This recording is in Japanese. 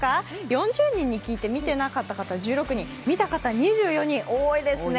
４０人に聞いて見てなかった方１６人見た方２４人、多いですね。